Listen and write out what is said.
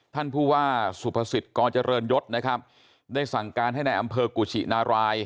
ท่านผู้ว่าสุภสิทธิ์กรเจริญยศนะครับได้สั่งการให้ในอำเภอกุชินาราย